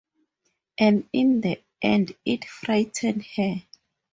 And in the end it frightened her.